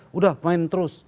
sudah main terus